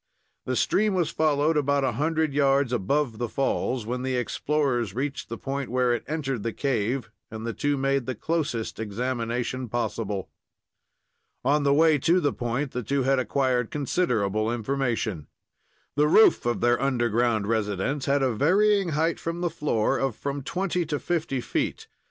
The stream was followed about a hundred yards above the falls, when the explorers reached the point where it entered the cave, and the two made the closest examination possible. On the way to the point the two had acquired considerable information. The roof of their underground residence had a varying height from the floor of from twenty to fifty feet.